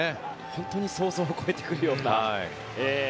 本当に想像を超えてくるような。